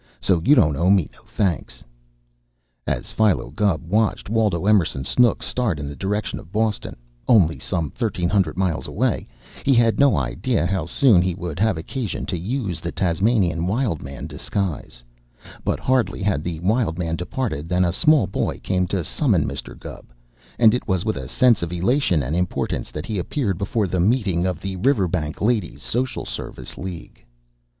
So you don't owe me no thanks." As Philo Gubb watched Waldo Emerson Snooks start in the direction of Boston only some thirteen hundred miles away he had no idea how soon he would have occasion to use the Tasmanian Wild Man disguise, but hardly had the Wild Man departed than a small boy came to summon Mr. Gubb, and it was with a sense of elation and importance that he appeared before the meeting of the Riverbank Ladies' Social Service League.